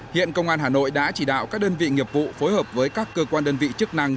hiện công an hà nội đã chỉ đạo các đơn vị nghiệp vụ phối hợp với các cơ quan đơn vị chức năng